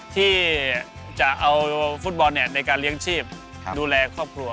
ที่จะเอาฟุตบอลในการเลี้ยงชีพดูแลครอบครัว